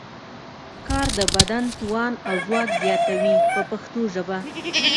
کار د بدن توان او ځواک زیاتوي په پښتو ژبه.